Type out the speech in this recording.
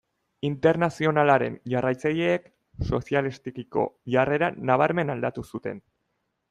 Internazionalaren jarraitzaileek sozialistekiko jarrera nabarmen aldatu zuten.